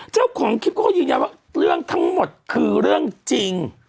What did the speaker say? เจ้าของคลิปเขาก็ยืนยันว่าเรื่องทั้งหมดคือเรื่องจริง